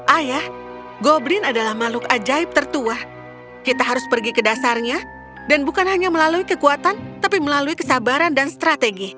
ayah goblin adalah makhluk ajaib tertua kita harus pergi ke dasarnya dan bukan hanya melalui kekuatan tapi melalui kesabaran dan strategi